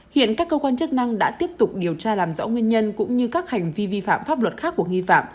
hiện các cơ quan chức năng đã tiếp tục điều tra làm rõ nguyên nhân cũng như các hành vi vi phạm pháp luật khác của nghi phạm